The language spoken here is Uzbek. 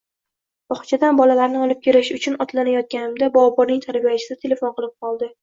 Bog`chadan bolalarni olib kelish uchun otlanayotganimda Boburning tarbiyachisi telefon qilib qoldi